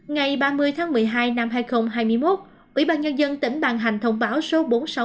ngày ba mươi tháng một mươi hai năm hai nghìn hai mươi một ủy ban nhân dân tỉnh bàn hành thông báo số bốn trăm sáu mươi tám